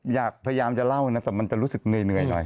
พยายามจะเล่านะแต่มันจะรู้สึกเหนื่อยหน่อย